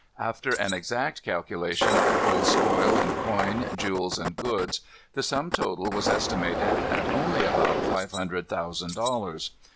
After an exact calculation of the whole spoil in coin, jewels, and goods, the sum total was estimated at only about five hundred thousand dollars.